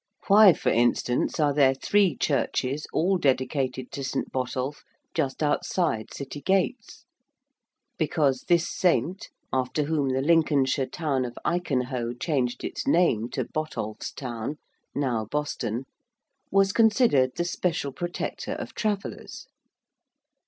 Why, for instance, are there three churches all dedicated to St. Botolph just outside City gates? Because this saint after whom the Lincolnshire town of Icanhoe changed its name to Botolph's town, now Boston was considered the special protector of travellers.